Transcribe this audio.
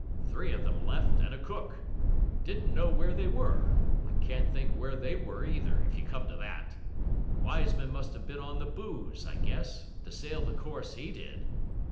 Three of them left and a cook; didn't know where they were; I can't think where they were either, if you come to that; Wiseman must have been on the booze, I guess, to sail the course he did.